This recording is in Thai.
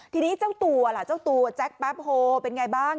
ทีนี้เจ้าตัวล่ะแจ๊กแปปโฮเป็นไงบ้าง